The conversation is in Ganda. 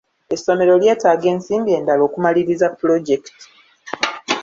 Essomero lyetaaga ensimbi endala okumaliriza pulojekiti.